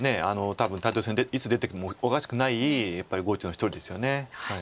多分タイトル戦いつ出てきてもおかしくない碁打ちの一人ですよね。